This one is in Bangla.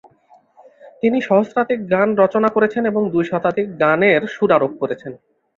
তিনি সহস্রাধিক গান রচনা করেছেন এবং দুই শতাধিক গানের সুরারোপ করেছেন।